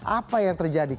apa yang terjadi